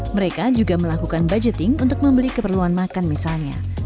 mereka juga melakukan budgeting untuk membeli keperluan makan misalnya